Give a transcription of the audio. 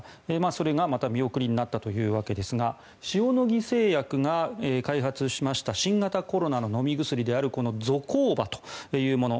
それがまた見送りになったということですが塩野義製薬が開発しました新型コロナの飲み薬であるこのゾコーバというもの。